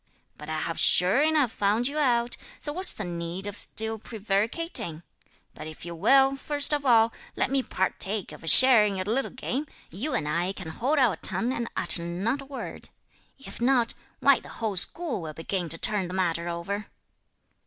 But I have sure enough found you out, so what's the need of still prevaricating? But if you will, first of all, let me partake of a share in your little game, you and I can hold our tongue and utter not a word. If not, why the whole school will begin to turn the matter over."